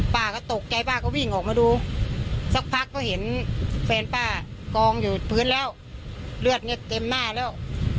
ป้าก็ตกใจป้าก็วิ่งออกมาดูสักพักก็เห็นแฟนป้ากองอยู่พื้นแล้วเลือดเนี่ยเต็มหน้าแล้ว